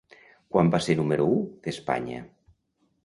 Quan va ser número u d'Espanya?